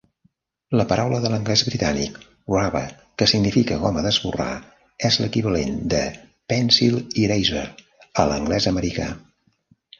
La paraula de l'anglès britànic "rubber", que significa goma d'esborrar, és l'equivalent de "pencil eraser" a l'anglès americà.